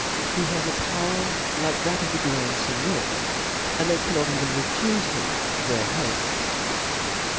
He has a power like that of tbe grand Cgnior, and they cannot even refufe him their heads.